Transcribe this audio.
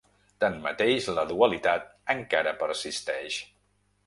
Tanmateix, la dualitat encara persisteix.